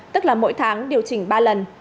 tức là mỗi tháng điều chỉnh ba lần